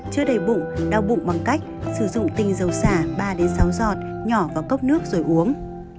chưa đầy bụng đau bụng bằng cách sử dụng tinh dầu xả ba sáu giọt nhỏ vào cốc nước rồi uống